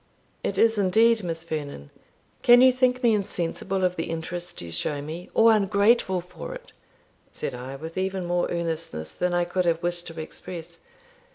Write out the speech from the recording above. "It is indeed, Miss Vernon. Can you think me insensible of the interest you show me, or ungrateful for it?" said I, with even more earnestness than I could have wished to express.